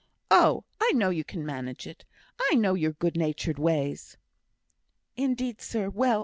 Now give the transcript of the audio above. Oh! I know you can manage it I know your good natured ways." "Indeed, sir well!